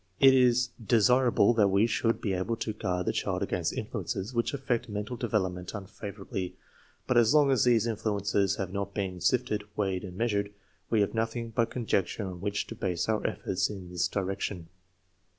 It is desirable that we should be able to guard the child against influences which affect mental development unfavorably; but as long as these in fluences have not been sifted, weighed, and measured, we have nothing but conjecture on which to base our efforts in this direction.